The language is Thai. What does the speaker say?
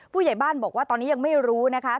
ผู้ใหญ่บ้านบอกว่าตอนนี้ยังไม่รู้นะคะ